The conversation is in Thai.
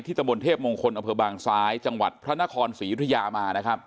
ตะบนเทพมงคลอำเภอบางซ้ายจังหวัดพระนครศรียุธยามานะครับ